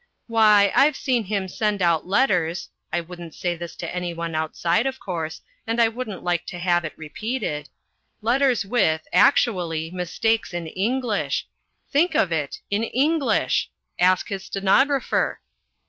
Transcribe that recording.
Why, I've seen him send out letters (I wouldn't say this to anyone outside, of course, and I wouldn't like to have it repeated) letters with, actually, mistakes in English. Think of it, in English! Ask his stenographer.